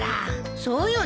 そうよね。